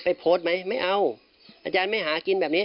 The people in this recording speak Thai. โพสต์ไหมไม่เอาอาจารย์ไม่หากินแบบนี้